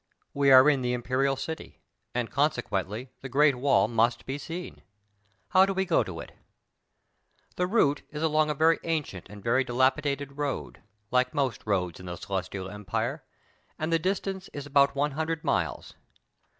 We are in the imperial city, and conse quently the great wall must be seen. How do we go to it ? The route is along a very ancient and very dilap idated road, like most roads in the Celestial empire, and the distance is about one hundred miles.